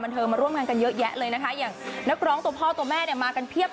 ผมชอบรูปผู้หญิงผมรักผู้หญิงคนนี้ครับ